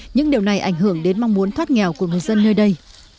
những điều này ảnh hưởng đến mong muốn thoát nghèo của người dân nơi đây